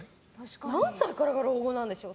何歳からが老後なんでしょう？